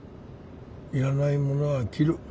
要らないものは切る。